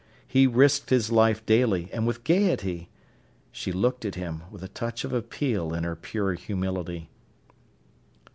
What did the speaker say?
He risked his life daily, and with gaiety. She looked at him, with a touch of appeal in her pure humility.